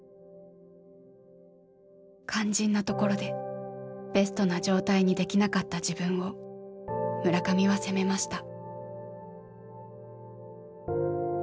肝心なところでベストな状態にできなかった自分を村上は責めました。